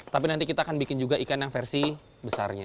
tapi nanti kita akan bikin juga ikan yang versi besarnya